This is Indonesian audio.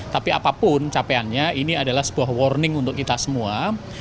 tapi apapun capaiannya ini adalah sebuah warning untuk kita semua